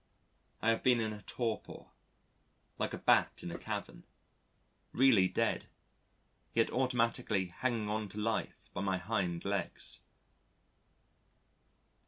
I have been in a torpor, like a Bat in a cavern really dead yet automatically hanging on to life by my hind legs.